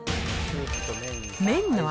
麺の味